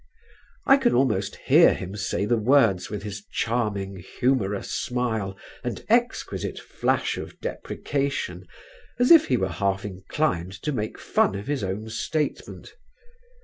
I can almost hear him say the words with his charming humorous smile and exquisite flash of deprecation, as if he were half inclined to make fun of his own statement.